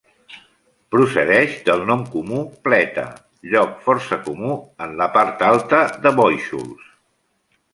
Procedeix del nom comú pleta, lloc força comú en la part alta de Bóixols.